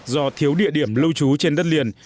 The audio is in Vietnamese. do thiếu địa điểm lưu trú trên đất liền